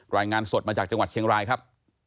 รายงานสดมาจากจังหวัดเชียงรายครับ